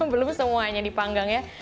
belum semuanya dipanggang ya